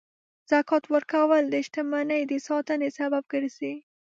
زکات ورکول د شتمنۍ د ساتنې سبب ګرځي.